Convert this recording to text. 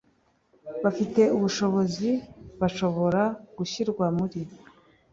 bafite ubushobozi bashobora gushyirwa muri